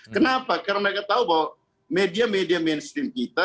kenapa karena mereka tahu bahwa media media mainstream kita